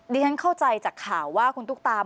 ฉันเข้าใจจากข่าวว่าคุณตุ๊กตา